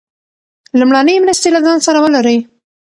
لومړنۍ مرستې له ځان سره ولرئ.